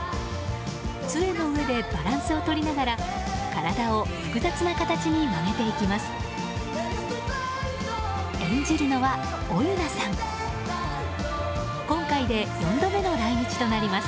杖の上でバランスをとりながら体を複雑な形に曲げていきます。